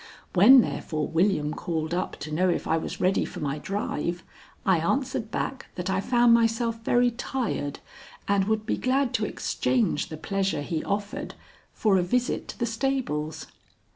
When, therefore, William called up to know if I was ready for my drive, I answered back that I found myself very tired and would be glad to exchange the pleasure he offered, for a visit to the stables.